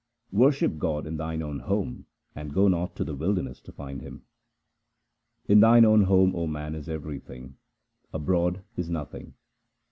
Worship God in thine own home and go not to the wilderness to find Him :— In thine own home, O man, is everything ; abroad is nothing.